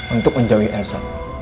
untuk menjauhi elsa